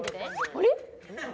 あれ？